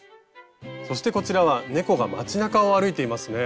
そしてこちらは猫が街なかを歩いていますね。